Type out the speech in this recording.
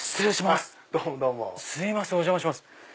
すいませんお邪魔します。